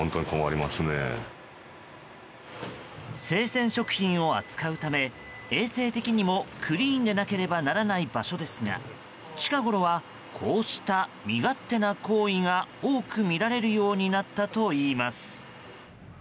生鮮食品を扱うため衛生的にもクリーンでなければならない場所ですが近ごろはこうした無慈悲な行為が多くみられるようになったといいます。